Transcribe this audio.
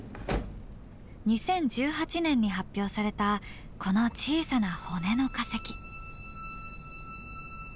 ２０１８年に発表されたこの小さな骨の化石。